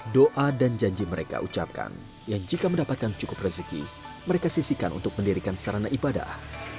doa dan janji mereka ucapkan yang jika mendapatkan cukup rezeki mereka sisikan untuk mendirikan sarana ibadah